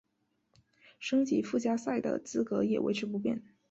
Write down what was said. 升级附加赛的资格也维持不变。